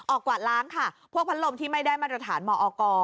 กวาดล้างค่ะพวกพัดลมที่ไม่ได้มาตรฐานมอก